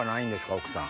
奥さん。